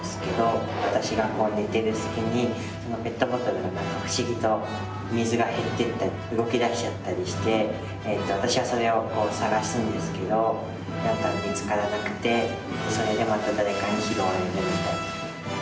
私がこう寝てる隙にペットボトルが何か不思議と水が減ってったり動き出しちゃったりして私はそれをこう捜すんですけど見つからなくてそれでまた誰かに拾われるみたいな。